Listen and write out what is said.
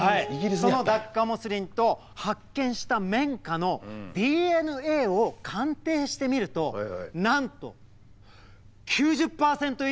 そのダッカモスリンと発見した綿花のＤＮＡを鑑定してみるとなんと９０％以上で一致しました。